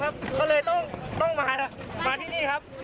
มาสระนะครับแต่ว่าเจ้าหน้าที่ตำรวจไม่ยอมให้มอบครับ